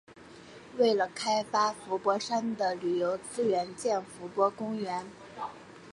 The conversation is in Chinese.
为了开发伏波山的旅游资源建伏波公园。